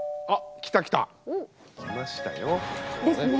あっ来た来た。